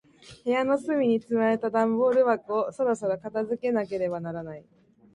部屋の隅に積まれた段ボール箱を、そろそろ片付けなければならない。